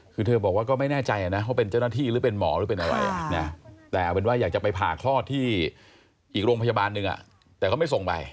คือเธอบอกว่าก็ไม่แน่ใจนะเขาเป็นเจ้าหน้าที่หรือเป็นหมอหรือเป็นอะไรแต่เอาเป็นว่าอยากจะไปผ่าคลอดที่อีกโรงพยาบาลหนึ่งแต่เขาไม่ส่งไป